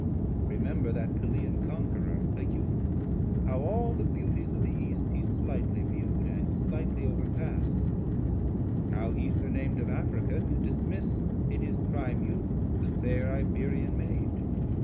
Remember that Pellean Conquerour, A youth, how all the Beauties of the East He slightly view'd, and slightly over pass'd; How hee sirnam'd of Africa dismiss'd In his prime youth the fair Iberian maid.